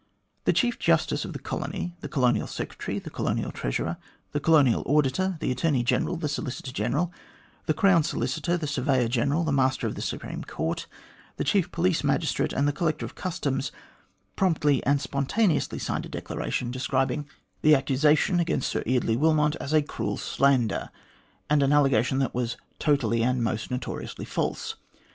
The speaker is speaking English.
The Chief Justice of the colony, the Colonial Secretary, the Colonial Treasurer, the Colonial Auditor, the Attorney General, the Solicitor General, the Crown Solicitor, the Surveyor General, the Master of the Supreme Court, the Chief Police Magistrate, and the Collector of Customs promptly and spontaneously signed a declaration describing A GRIEVOUS ERROR OF MR GLADSTONE'S 157 the accusation against Sir Eardley Wilmot as a "cruel slander," and an allegation that was "totally and most notoriously false."